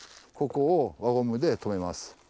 ここを輪ゴムでとめます。